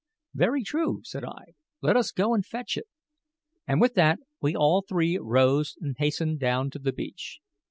"Very true," said I; "let us go fetch it." And with that we all three rose and hastened down to the beach.